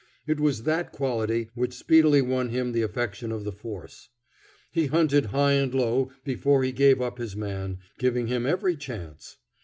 It was that quality which speedily won him the affection of the force. He hunted high and low before he gave up his man, giving him every chance.